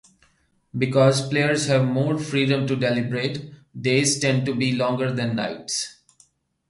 Because players have more freedom to deliberate, days tend to be longer than nights.